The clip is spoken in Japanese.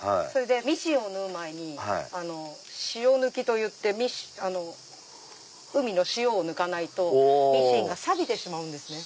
ミシン縫う前に塩抜きといって海の塩を抜かないとミシンがさびてしまうんですね。